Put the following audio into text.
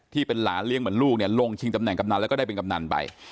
ที่เป็นหลานเลี้ยงเหมือนลูกเนี่ยลงชิงตำแหนกำนันแล้วก็ได้เป็นกำนันไป